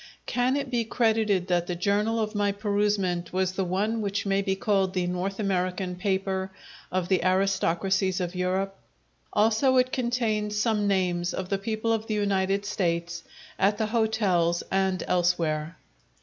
Can it be credited that the journal of my perusement was the one which may be called the North American paper of the aristocracies of Europe? Also, it contains some names of the people of the United States at the hotels and elsewhere.